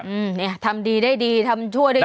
อืมเนี่ยทำดีได้ดีทำชั่วได้ดี